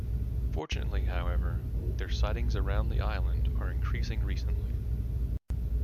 Fortunately, however, their sightings around the island are increasing recently.